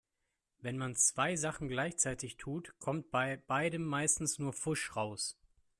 Wenn man zwei Sachen gleichzeitig tut, kommt bei beidem meistens nur Pfusch raus.